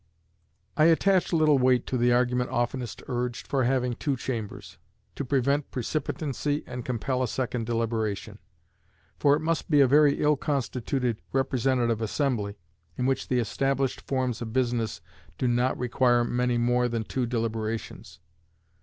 I attach little weight to the argument oftenest urged for having two Chambers to prevent precipitancy, and compel a second deliberation; for it must be a very ill constituted representative assembly in which the established forms of business do not require many more than two deliberations.